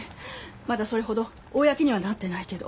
まだそれほど公にはなってないけど。